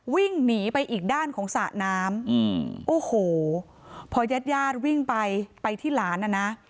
วิ่งหนีไปอีกด้านของสระน้ำอืมโอ้โหพอญาติญาติวิ่งไปไปที่หลานน่ะนะ